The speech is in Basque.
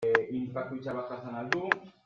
Gomezek Aldundiaren jokabidea salatu du.